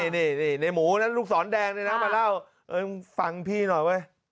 นี่ในหมูนะลูกศรแดงเนี่ยนะมาเล่าฟังพี่หน่อยเว้ย